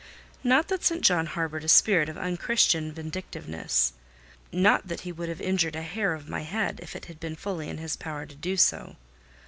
Not that St. John harboured a spirit of unchristian vindictiveness—not that he would have injured a hair of my head, if it had been fully in his power to do so.